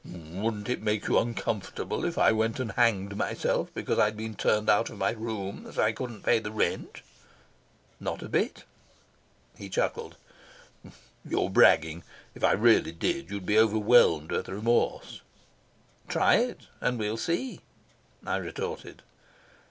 "Wouldn't it make you uncomfortable if I went and hanged myself because I'd been turned out of my room as I couldn't pay the rent?" "Not a bit." He chuckled. "You're bragging. If I really did you'd be overwhelmed with remorse." "Try it, and we'll see," I retorted.